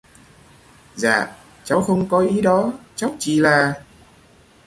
Dạ Cháu không có ý đó cháu chỉ là